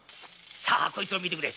さあ、こいつを見てくれ。